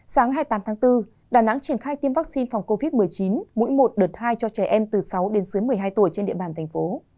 sáng hai mươi tám tháng bốn đà nẵng triển khai tiêm vaccine phòng covid một mươi chín mỗi một đợt hai cho trẻ em từ sáu đến dưới một mươi hai tuổi trên địa bàn thành phố